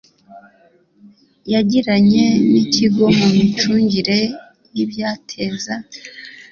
yagiranye n ikigo mu micungire y ibyateza